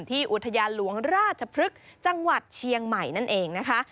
อุทยานหลวงราชพฤกษ์จังหวัดเชียงใหม่นั่นเองนะคะ